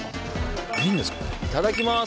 いただきます。